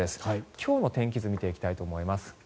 今日の天気図を見ていきたいと思います。